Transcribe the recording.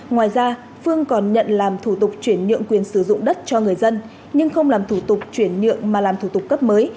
ngoài ra phương còn nhận làm thủ tục chuyển nhượng quyền sử dụng đất cho người dân nhưng không làm thủ tục chuyển nhượng mà làm thủ tục cấp mới